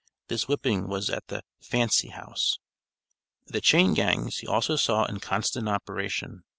This whipping was at the "Fancy House." The "chain gangs" he also saw in constant operation.